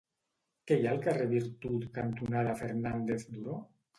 Què hi ha al carrer Virtut cantonada Fernández Duró?